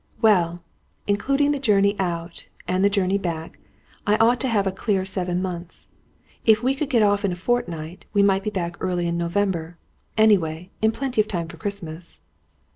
"Well including the journey out, and the journey back, I ought to have a clear seven months. If we could get off in a fortnight, we might be back early in November; anyway, in plenty of time for Christmas."